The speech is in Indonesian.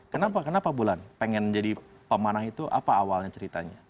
kenapa kenapa bulan pengen jadi pemanang itu apa awalnya ceritanya